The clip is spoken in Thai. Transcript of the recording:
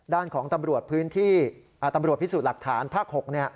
ด้านของตำรวจพื้นที่ตำรวจพิสูจน์หลักฐานภาค๖